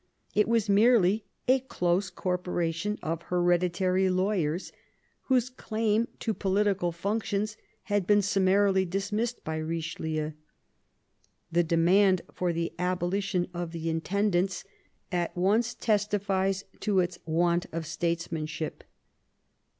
It was merely a close corporation of hereditary lawyers, whose claim to political functions had been summarily dismissed by Eichelieu. The demand for the abolition of the intendants at once testifies to its want of statesmanship.